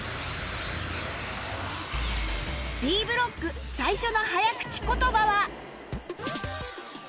Ｂ ブロック最初の早口言葉は